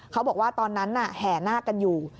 เขาบอกว่าตอนนั้นแห่นาคกันอยู่